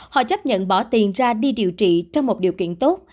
họ chấp nhận bỏ tiền ra đi điều trị trong một điều kiện tốt